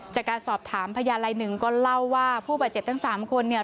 จากการสอบถามพยานลายหนึ่งก็เล่าว่าผู้บาดเจ็บทั้งสามคนเนี่ย